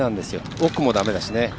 奥もだめだし。